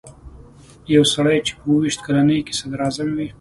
یو سړی چې په اووه ویشت کلنۍ کې صدراعظم وي.